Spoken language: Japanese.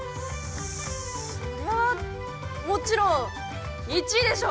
◆それはもちろん１位でしょう。